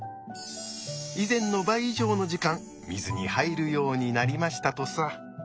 以前の倍以上の時間水に入るようになりましたとさ。